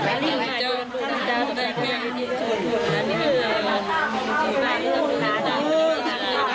ตอนนี้ก็ไม่มีเวลาให้กลับมาเที่ยวกับเวลา